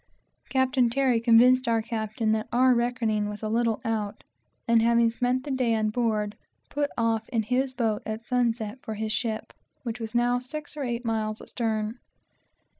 Captain Terry convinced our captain that our reckoning was a little out, and, having spent the day on board, put off in his boat at sunset for his ship, which was now six or eight miles astern.